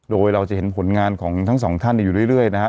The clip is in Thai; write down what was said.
โดยเราจะเห็นผลงานของทั้งสองท่านอยู่เรื่อยนะฮะ